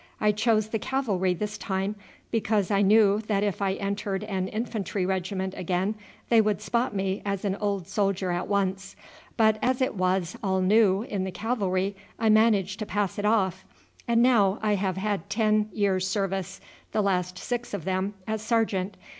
I chose the cavalry this time, because I knew that if I entered an infantry regiment again they would spot me as an old soldier at once; but as it was all new in the cavalry I managed to pass it off, and now I have had ten years' service, the last six of them as sergeant.